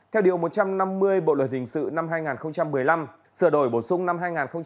theo điều một trăm năm mươi bộ luật hình sự năm hai nghìn một mươi năm sửa đổi bổ sung năm hai nghìn một mươi bảy